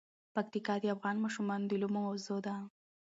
پکتیکا د افغان ماشومانو د لوبو موضوع ده.